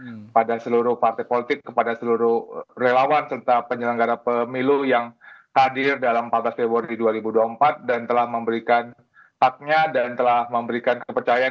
kepada seluruh partai politik kepada seluruh relawan serta penyelenggara pemilu yang hadir dalam empat belas februari dua ribu dua puluh empat dan telah memberikan haknya dan telah memberikan kepercayaan